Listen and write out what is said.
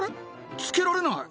付けられない。